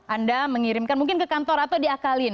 anda mengirimkan mungkin ke kantor atau diakalin